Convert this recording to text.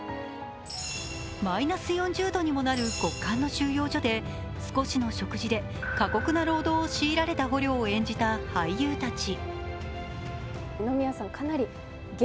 マイナス４０度にもなる極寒の収容所で少しの食事で過酷な労働を強いられた捕虜を演じた俳優たち。